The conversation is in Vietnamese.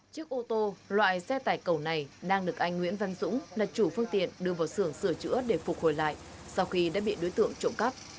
chiếc ô tô loại xe tải cầu này đang được anh nguyễn văn dũng là chủ phương tiện đưa vào sưởng sửa chữa để phục hồi lại sau khi đã bị đối tượng trộm cắp